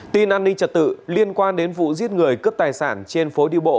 tin an ninh trật tự liên quan đến vụ giết người cướp tài sản trên phố đi bộ